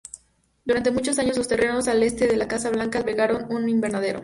Durante muchos años, los terrenos al este de la Casa Blanca albergaron un invernadero.